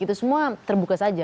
itu semua terbuka saja